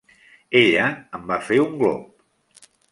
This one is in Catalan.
Ella en va fer un glop.